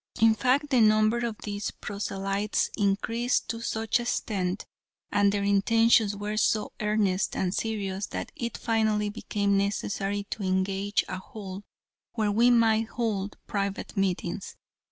In fact, the number of these proselytes increased to such an extent, and their intentions were so earnest and serious, that it finally became necessary to engage a hall, where we might hold private meetings.